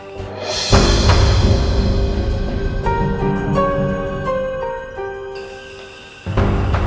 tapi izinkanlah hamba untuk mengurus gusti ratu gentering manik